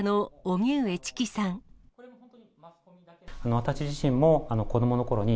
私自身も子どものころに、